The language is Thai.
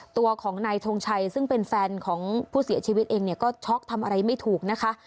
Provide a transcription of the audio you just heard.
ตัวของนายทงชัยซึ่งเป็นแฟนของผู้เสียชีวิตเองเนี่ยก็ช็อกทำอะไรไม่ถูกนะคะ